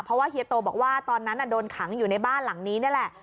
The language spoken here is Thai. เพราะว่าเฮียโตบอกว่าตอนนั้นโดนขังอยู่ในบ้านหลังนี้นี่แหละ